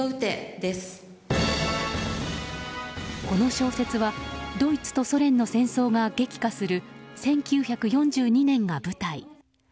この小説はドイツとソ連の戦争が激化する１９４２年が舞台。